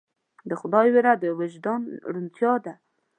د خدای ویره د وجدان روڼتیا ده.